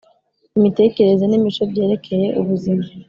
imitekerereze n imico byerekeye ubuzima